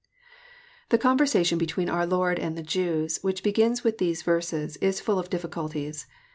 The conversation between our Lord and the Jews, which begins with these verses, is full of difficulties.